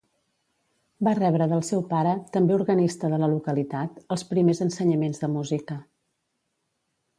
Va rebre del seu pare, també organista de la localitat, els primers ensenyaments de música.